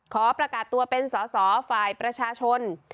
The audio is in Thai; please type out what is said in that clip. ขอประกาศตัวเป็นสอสอฝ่ายประชาชน